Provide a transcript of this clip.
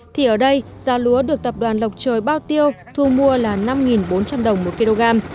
thì ở đây giá lúa được tập đoàn lộc trời bao tiêu thu mua là năm bốn trăm linh đồng một kg